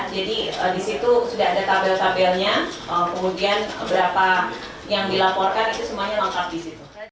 jadi disitu sudah ada tabel tabelnya kemudian berapa yang dilaporkan itu semuanya lengkap disitu